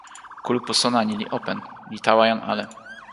kulupu sona ni li open, li tawa jan ale.